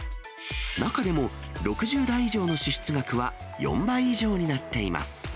中でも、６０代以上の支出額は４倍以上になっています。